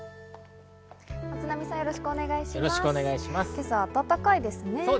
今朝、暖かいですね。